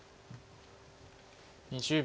２０秒。